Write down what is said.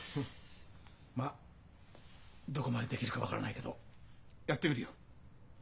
まあどこまでできるか分からないけどやってみるよ。